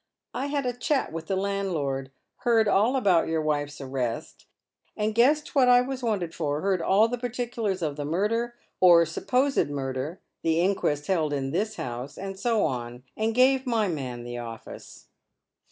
I had a chat with the landlord — heard all about your wife's arrest, and guessed what I was wanted for, heard all the particulars of the murder, or supposed murder, the in quest held in this house, and so on, and gave my man the office.'